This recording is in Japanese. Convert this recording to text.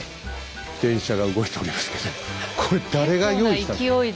電車が動いておりますけどこれ誰が用意したの？